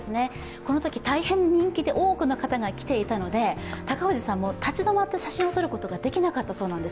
このとき、大変人気で多くの方が来ていたので、高氏さんも立ち止まって写真を撮ることができなかったそうです。